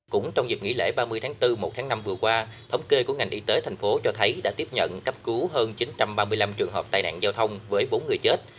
cũng trong dịp nghỉ lễ ba mươi tháng bốn một tháng năm vừa qua thống kê của ngành y tế tp hcm cho thấy đã tiếp nhận cấp cứu hơn chín trăm ba mươi năm trường hợp tai nạn giao thông với bốn người chết